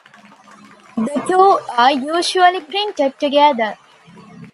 The two are usually printed together.